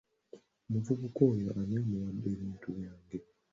Omuvubuka oyo ani amuwadde ebintu byange.